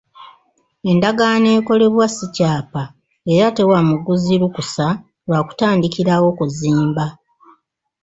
Endagaano ekolebwa si kyapa era tewa muguzi lukusa lwa kutandikirawo kuzimba.